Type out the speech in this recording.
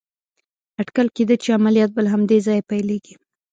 اټکل کېده چې عملیات به له همدې ځایه پيلېږي.